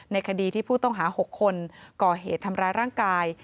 คดีที่ผู้ต้องหา๖คนก่อเหตุทำร้ายร่างกาย